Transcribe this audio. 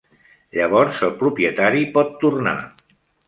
Llavors, el propietari pot tornar.